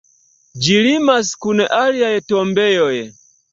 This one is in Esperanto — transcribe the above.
Ĝi limas kun aliaj tombejoj.